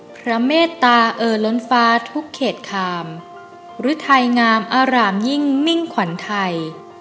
พระเมตตาเออล้นฟ้าทุกเขตคามฤทัยงามอร่ามยิ่งมิ่งขวันไทย